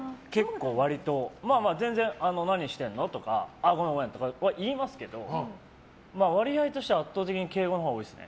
何してるの？とかごめんとかは言いますけど割合として圧倒的に敬語のほうが多いですね。